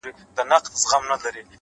زړه مي ورېږدېدی؛